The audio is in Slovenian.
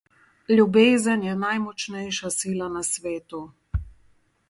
Ljubezen je najmočnejša sila na svetu.